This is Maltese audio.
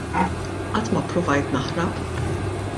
Qatt ma pruvajt naħrab.